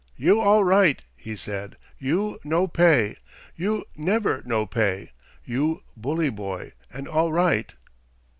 "You all right," he said. "You no pay. You never no pay. You bully boy and all right."